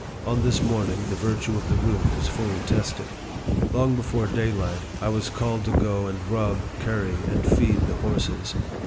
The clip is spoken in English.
On this morning, the virtue of the root was fully tested. Long before daylight, I was called to go and rub, curry, and feed, the horses.